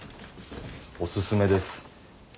おすすめです。